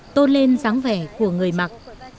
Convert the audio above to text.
tôn lên dáng vẻ của người mặc